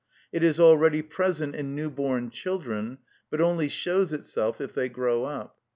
It is already present in new born children, but only shows itself if they grow up.